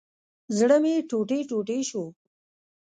زړه مي ټوټي ټوټي شو